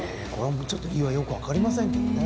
ちょっと理由はよく分かりませんけどね。